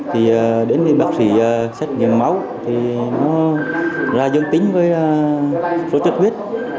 thì đến với bác sĩ xét nghiệm máu thì nó ra dương tính với số chất huyết